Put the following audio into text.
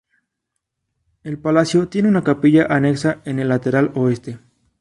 El palacio tiene una capilla anexa en el lateral oeste.